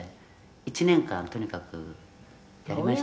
「１年間とにかくやりましたね」